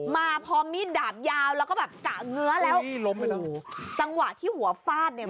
มาพอมีดดาบยาวแล้วก็แบบกะเงื้อแล้วนี่ล้มไปแล้วโอ้โหจังหวะที่หัวฟาดเนี่ย